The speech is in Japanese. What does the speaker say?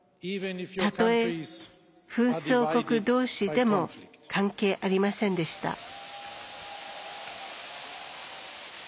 たとえ、紛争国どうしでも関係ありませんでした。